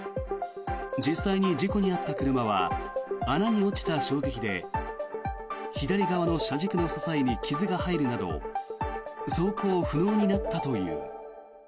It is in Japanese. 実際に事故に遭った車は穴に落ちた衝撃で左側の車軸の支えに傷が入るなど走行不能になったという。